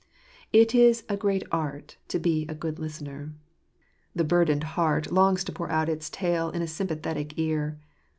It is a great art to j?e a good listener. The burdened heart longs to pour out its tale in a sympathetic ear.